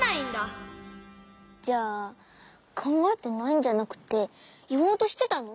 じゃあかんがえてないんじゃなくていおうとしてたの？